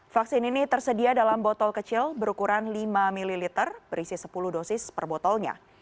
vaksin ini tersedia dalam botol kecil berukuran lima ml berisi sepuluh dosis per botolnya